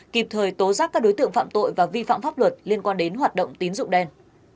kịp thời tố giác các đối tượng phạm tội và vi phạm pháp luật liên quan đến hoạt động tín dụng đen